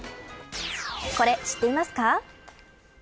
これ、知っていますか。